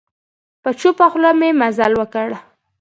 په چوپه خوله مي مزل وکړ .